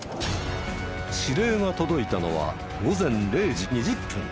指令が届いたのは午前０時２０分。